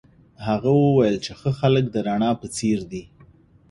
هغه وویل چي ښه خلک د رڼا په څېر دي.